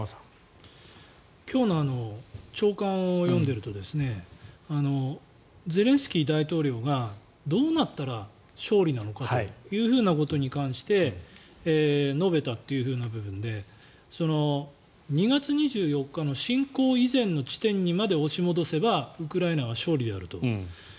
今日の朝刊を読んでいるとゼレンスキー大統領がどうなったら勝利なのかということに関して述べたという部分で２月２４日の侵攻以前の地点にまで押し戻せばウクライナは勝利であると。